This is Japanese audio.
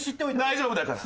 大丈夫だから。